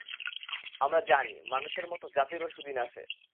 আমরা জানি, মানুষের মত জাতিরও সুদিন আসে।